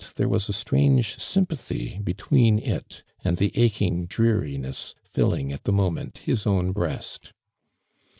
there was a strange sympathy between it and the aching dreariness filling at the mo ment his own breast.